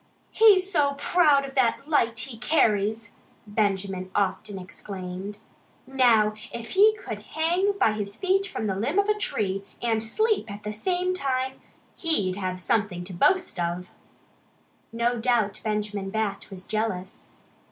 "He's so proud of that light he carries!" Benjamin often exclaimed, "Now, if he could hang by his feet from the limb of a tree and SLEEP at the same time he'd have something to boast of!" No doubt Benjamin Bat was jealous.